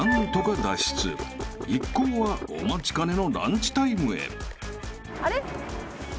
［一行はお待ちかねのランチタイムへ］